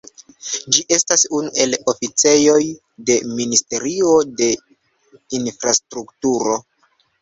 Ĝi estas unu el oficejoj de ministerio de infrastrukturo.